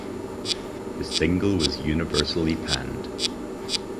The single was universally panned.